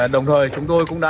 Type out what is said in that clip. đồng thời chúng tôi cũng đã